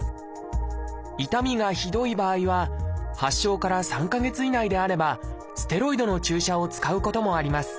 痛みがひどい場合は発症から３か月以内であればステロイドの注射を使うこともあります。